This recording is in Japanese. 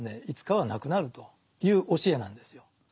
いつかはなくなるという教えなんですよ。